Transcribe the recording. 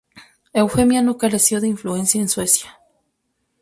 Eufemia no careció de influencia en Suecia.